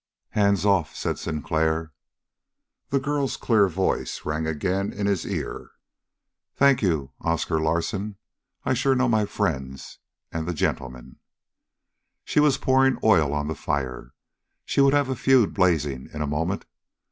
"Hands off!" said Sinclair. The girl's clear voice rang again in his ear: "Thank you, Oscar Larsen. I sure know my friends and the gentlemen!" She was pouring oil on the fire. She would have a feud blazing in a moment.